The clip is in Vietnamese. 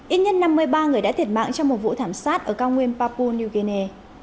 ít nhất năm mươi ba người đã thiệt mạng trong một vụ thảm sát ở cao nguyên papua new guinea